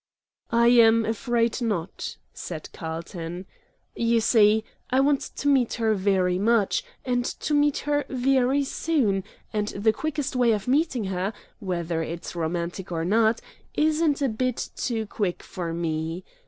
"I am afraid not," said Carlton. "You see, I want to meet her very much, and to meet her very soon, and the quickest way of meeting her, whether it's romantic or not, isn't a bit too quick for me.